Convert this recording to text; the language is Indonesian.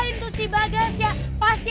hei lu cepetan dong guardian burbito turun nih